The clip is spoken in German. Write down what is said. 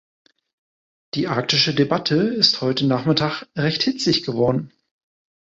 Die arktische Debatte ist heute Nachmittag recht hitzig geworden!